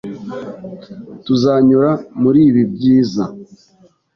Tuzanyura muribi byiza.